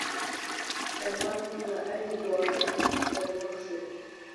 جاپان هم له عین ګواښ سره مخ شو.